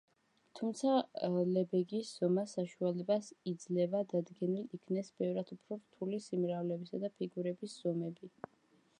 თუმცა, ლებეგის ზომა საშუალებას იძლევა დადგენილ იქნეს ბევრად უფრო რთული სიმრავლეების და ფიგურების ზომები.